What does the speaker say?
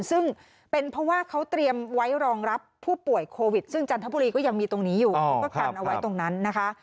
ซึ่งเป็นเพราะว่าเขาเตรียมไว้รองรับผู้ป่วยโควิดซึ่งจันทบุรีก็ยังมีตรงนี้อยู่เขาก็กันเอาไว้ตรงนั้นนะคะ